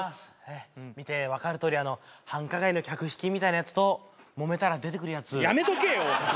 見てわかるとおり繁華街の客引きみたいなやつともめたら出てくるやつやめとけよ！